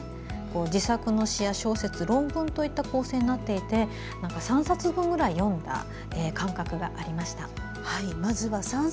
自作の詩や小説、論文といった構成になっていて３冊分ぐらい読んだ感覚がありました。